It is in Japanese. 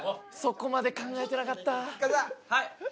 そこまで考えてなかった。